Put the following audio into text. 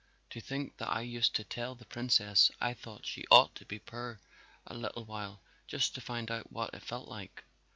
To think that I used to tell the Princess I thought she ought to be poor a little while just to find out what it felt like!